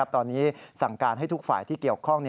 ตอนนี้สั่งการให้ทุกฝ่ายที่เกี่ยวข้อง